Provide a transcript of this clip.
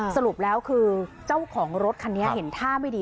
สรุปแล้วคือเจ้าของรถคันนี้เห็นท่าไม่ดี